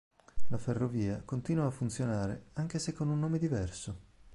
La ferrovia continua a funzionare, anche se con un nome diverso.